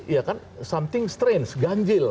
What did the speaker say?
iya kan something strange ganjil